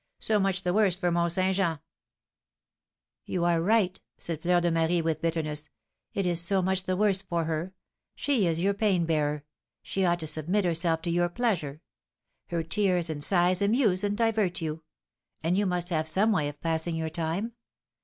So much the worse for Mont Saint Jean." "You are right," said Fleur de Marie, with bitterness; "it is so much the worse for her; she is your pain bearer, she ought to submit herself to your pleasure, her tears and sighs amuse and divert you! and you must have some way of passing your time.